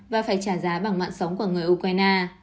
và phải trả giá bằng mạng sống của người ukraine